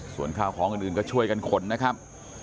ส่วนข้าวของอื่นก็ช่วยกันขนนะครับ